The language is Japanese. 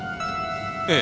ええ。